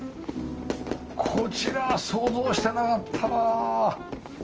こちらは想像してなかったな。